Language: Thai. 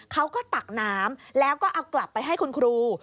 ตักน้ำแล้วก็เอากลับไปให้คุณครู